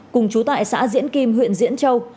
cùng chú tại xã diễn kim huyện diễn châu